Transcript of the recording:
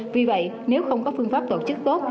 vì vậy nếu không có phương pháp tổ chức tốt